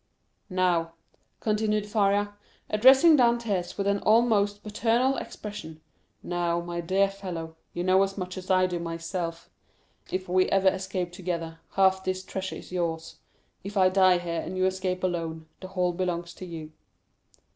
"Now," continued Faria, addressing Dantès with an almost paternal expression, "now, my dear fellow, you know as much as I do myself. If we ever escape together, half this treasure is yours; if I die here, and you escape alone, the whole belongs to you."